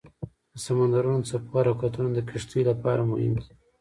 د سمندرونو څپو حرکتونه د کشتیو لپاره مهم دي.